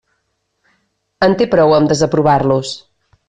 En té prou amb desaprovar-los.